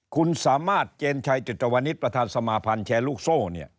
คุณสามารถเจนชัยจิตตวนิทประธานสมาภัณฑ์แชร์ลูกโซ่